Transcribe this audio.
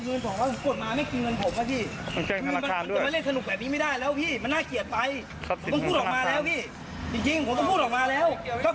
จริงผมต้องพูดออกมาแล้ว